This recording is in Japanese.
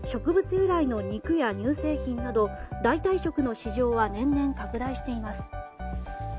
由来の肉や乳製品など代替食の市場は年々拡大しています。